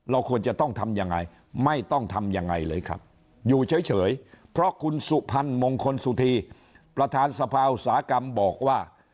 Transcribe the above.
ควรจะต้องทำยังไงไม่ต้องทำยังไงเลยครับอยู่เฉยเพราะคุณสุพรรณมงคลสุธีประธานสภาอุตสาหกรรมบอกว่า